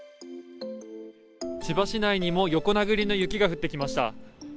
千葉市内にも横殴りの雪が降ってきました。